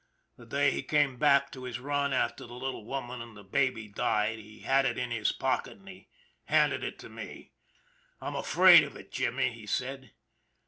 The day he came back to his run after the little woman and the baby died he had it in his pocket, and he handed it to me. 'I'm afraid of it, Jimmy/ he said.